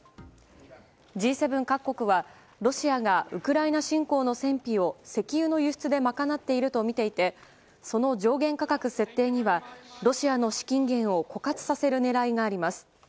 Ｇ７各国はロシアがウクライナ侵攻の戦費を石油の輸出で賄っているとみていてその上限価格設定にはロシアの資金源を枯渇させる狙いがあります。